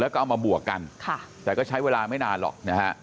กดมาบวกกันใช้เวลาไม่นานหรอก